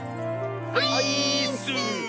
オイーッス！